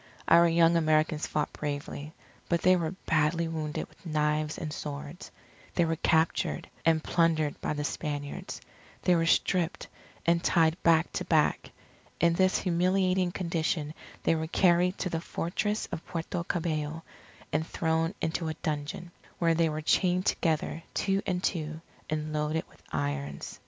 Our young Americans fought bravely, but they were badly wounded with knives and swords. They were captured, and plundered by the Spaniards. They were stripped, and tied back to back. In this humiliating condition they were carried to the Fortress of Puerto Cabello, and thrown into a dungeon; where they were chained together, two and two, and loaded with irons.